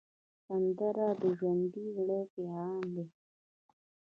سندره د ژوندي زړه پیغام دی